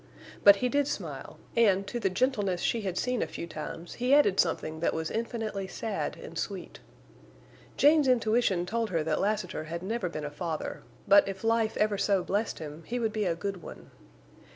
But he did smile, and to the gentleness she had seen a few times he added something that was infinitely sad and sweet. Jane's intuition told her that Lassiter had never been a father, but if life ever so blessed him he would be a good one.